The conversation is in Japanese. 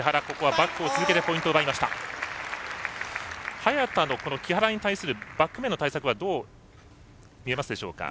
早田の木原に対するバック面の対策はどう見えますでしょうか。